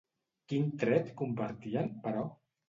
Quin tret compartien, però?